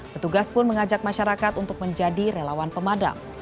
petugas pun mengajak masyarakat untuk menjadi relawan pemadam